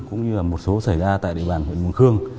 cũng như một số xảy ra tại địa bàn huyện mùng khương